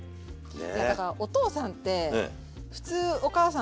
いやだからお父さんって普通お母さんがね